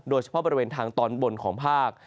โดยเฉพาะบริเวณทางตอนบนของภาค